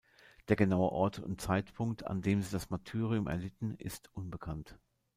Der genaue Ort und Zeitpunkt, an dem sie das Martyrium erlitten, ist unbekannt.